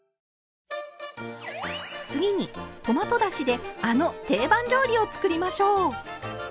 次にトマトだしであの定番料理を作りましょう。